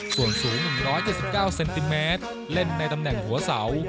ส่วนสูง๑๗๙เซนติเมตรเล่นในตำแหน่งหัวเสา